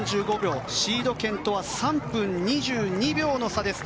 シード権とは３分２２秒の差です。